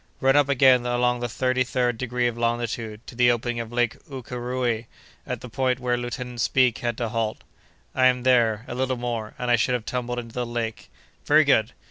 "Run up again along the thirty third degree of longitude to the opening of Lake Oukéréoué, at the point where Lieutenant Speke had to halt." "I am there; a little more, and I should have tumbled into the lake." "Very good!